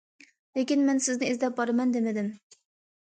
لېكىن مەن« سىزنى ئىزدەپ بارىمەن» دېمىدىم.